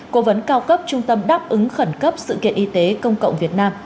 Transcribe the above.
cố vấn cao cấp trung tâm đáp ứng khẩn cấp sự kiện y tế công cộng việt nam